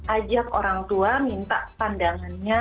ajak orang tua minta pandangannya